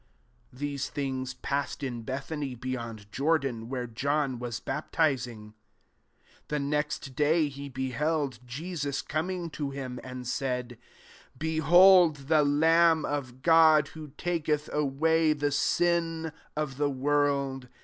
28 These things passed in Bethany beyond Jordan, where John was baptizing. 29 The next day, he beheld Jesus coming to him, and said, *' Behold the Lamb of God, who taketh away the sin of the world.